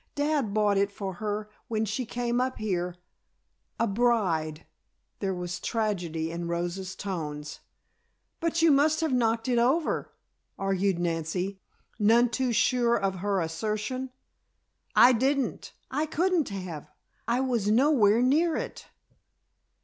Dad bought it for her when she came up here a bride!" There was tragedy in Rosa's tones. "But you must have knocked it over," argued Nancy, none too sure of her assertion. "I didn't! I couldn't have! I was nowhere near it!"